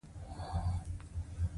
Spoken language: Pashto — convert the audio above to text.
ټپي ته باید له وېرې وژغورل شي.